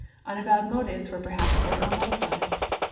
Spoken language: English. Unavowed motives were perhaps at work on both sides.